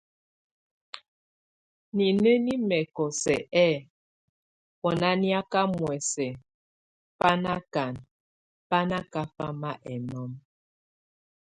Nineni mɛkɔ sɛk ɛ̂, o nákiaka muɛs ba nakan, bá nakafam enɔm.